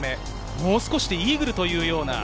もう少しでイーグルというような。